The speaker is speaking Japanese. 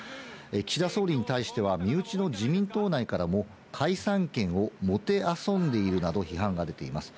岸田総理に対しては、身内の自民党内からも、解散権をもてあそんでいるなど、批判が出ています。